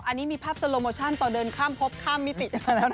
อันนี้มีภาพสโลโมชั่นต่อเดินข้ามพบข้ามมิติ